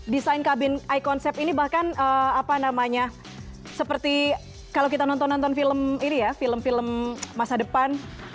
desain kabin i concept ini bahkan seperti kalau kita nonton nonton film masa depan